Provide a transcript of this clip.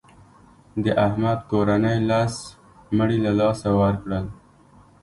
د احمد کورنۍ لس مړي له لاسه ورکړل.